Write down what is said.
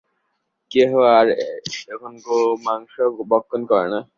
কেই আর এখন গোমাংস ভক্ষণ করে না।